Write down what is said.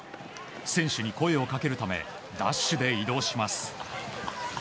選手に声をかけるためダッシュで移動します。